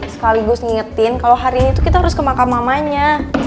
sekaligus ngingetin kalau hari ini tuh kita harus ke makam mamanya